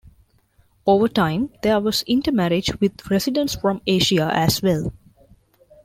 Over time, there was intermarriage with residents from Asia as well.